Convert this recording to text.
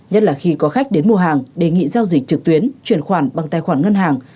nhất là khi có khách đến mua hàng đề nghị giao dịch trực tuyến chuyển khoản bằng tài khoản ngân hàng